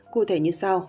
cụ thể như sau